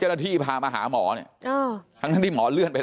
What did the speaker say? เจ้าหน้าที่พามาหาหมอเนี้ยอ๋อทั้งนั้นที่หมอเลื่อนไป